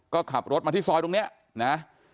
ก็ขับรถมาที่ซอยตรงนี้นะ